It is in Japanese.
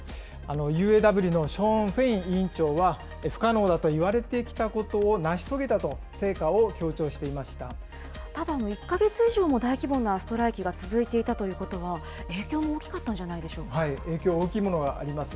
ＵＡＷのショーン・フェイン委員長は、不可能だといわれてきたことを成し遂げたと成果を強調してただ、１か月以上も大規模なストライキが続いていたということは、影響も大きかったんじゃな影響、大きいものがあります。